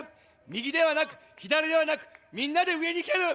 右ではなく、左ではなく、みんなで上にいける。